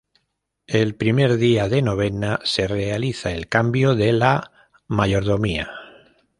El primer día de novena se realiza el cambio de la mayordomía.